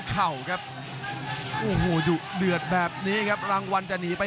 มาดูภาพชา